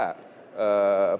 terima kasih pak